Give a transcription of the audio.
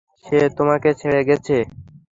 সে তোমাকে ছেড়ে গেছে?